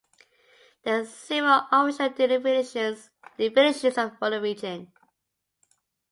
There are several official definitions for the region.